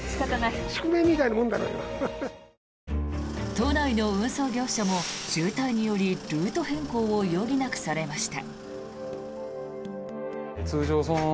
都内の運送業者も渋滞によりルート変更を余儀なくされました。